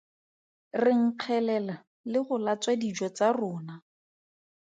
Re nkgelela le go latswa dijo tsa rona.